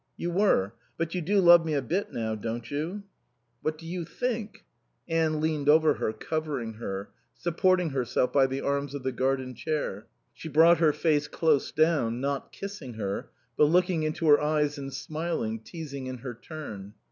"You were. But you do love me a bit now, don't you?" "What do you think?" Anne leaned over her, covering her, supporting herself by the arms of the garden chair. She brought her face close down, not kissing her, but looking into her eyes and smiling, teasing in her turn.